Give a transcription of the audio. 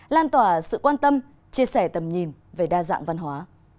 lan tỏa sự quan tâm chia sẻ tầm nhìn về đa dạng văn hóa